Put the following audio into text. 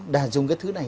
để dùng cái thứ này